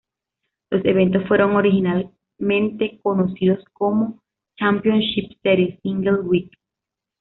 Los eventos fueron originalmente conocidos como "Championship Series, Single Week".